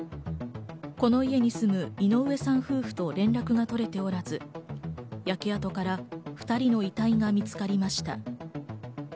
この家に住む井上さん夫婦と連絡が取れておらず、焼け跡から２人の遺体が見つかりました。